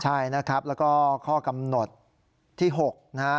ใช่นะครับแล้วก็ข้อกำหนดที่๖นะฮะ